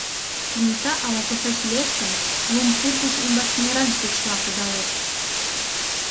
Кенета ала-кушеч лектын, лум пургыж ӱмбач мераҥ пикшла кудалеш...